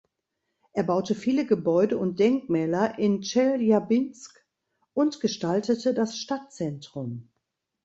Er baute viele Gebäude und Denkmäler in Tscheljabinsk und gestaltete das Stadtzentrum.